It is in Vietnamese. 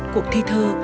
cuộc thi thơ